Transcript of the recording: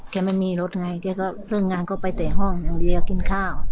ไม่มีรถไงแกก็เรื่องงานก็ไปแต่ห้องอย่างเดียวกินข้าว